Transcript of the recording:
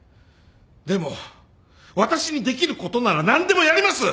でも私にできることなら何でもやります！